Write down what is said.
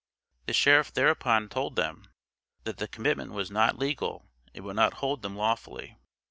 The sheriff hereupon told them, that the commitment was not legal, and would not hold them lawfully.